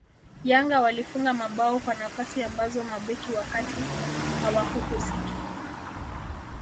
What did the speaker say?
Yanga walifunga mabao kwa nafasi ambazo mabeki wa kati hawakuhusiki